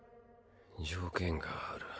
条件がある。